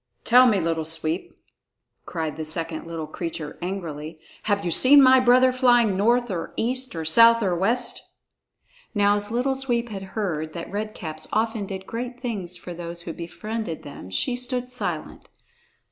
"Tell me, Little Sweep," cried the second little creature angrily, "have you seen my brother flying north or east or south or west?" Now as Little Sweep had heard that Red Caps often did great things for those who befriended them, she stood silent.